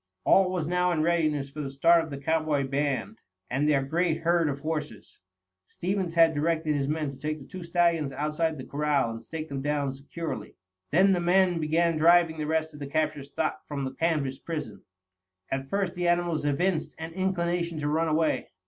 All was now in readiness for the start of the cowboy band and their great herd of horses. Stevens had directed his men to take the two stallions outside the corral and stake them down securely. Then the men began driving the rest of the captured stock from the canvas prison. At first the animals evinced an inclination to run away.